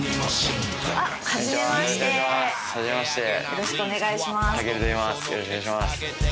よろしくお願いします。